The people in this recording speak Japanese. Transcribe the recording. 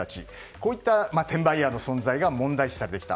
こういった転売ヤーの存在が問題視されてきた。